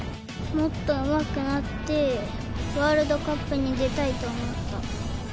もっとうまくなって、ワールドカップに出たいと思った。